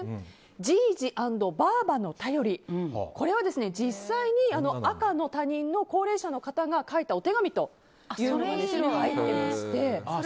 じぃじ＆ばぁばの便りこれは実際に赤の他人の高齢者の方が書いたお手紙というのがありまして。